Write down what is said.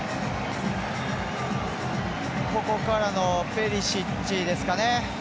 ここからのペリシッチですかね。